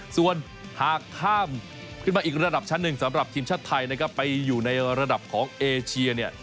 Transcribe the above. ส่วนหากข้ามขึ้นมาอีกระดับชั้นหนึ่งสำหรับทีมชาติไทยนะครับไปอยู่ในระดับของเอเชียเนี่ย